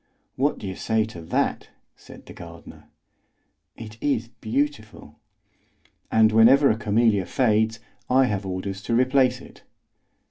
"What do you say to that?" said the gardener. "It is beautiful." "And whenever a camellia fades, I have orders to replace it."